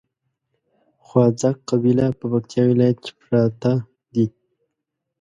خواځک قبيله په پکتیا ولايت کې پراته دي